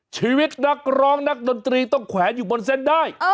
ชีวิตนักร้องนักดนตรีต้องแขวนอยู่บนเส้นได้